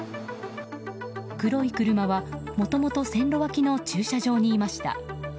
黒い車は、もともと線路脇の駐車場にいました。